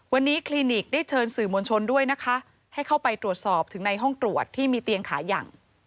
วันนี้คลินิกได้เชิญสื่อมวลชนด้วยนะคะให้เข้าไปตรวจสอบถึงในห้องตรวจที่มีเตียงขายัง